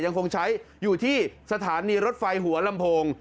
ยังคงใช้อยู่ที่สถานีรถไฟหัวลำโพง